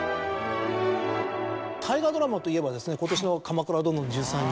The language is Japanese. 大河ドラマといえば今年の『鎌倉殿の１３人』。